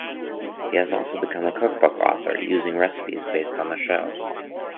He has also become a cookbook author, using recipes based on the show.